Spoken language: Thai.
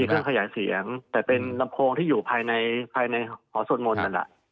เครื่องขยายเสียงแต่เป็นลำโพงที่อยู่ภายในภายในหอสวดมนต์นั่นแหละ